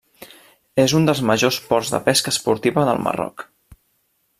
És un dels majors ports de pesca esportiva del Marroc.